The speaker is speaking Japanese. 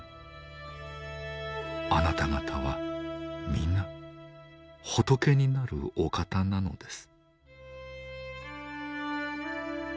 あなた方は皆仏になるお方なのです」。